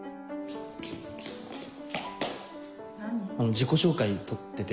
自己紹介撮ってて。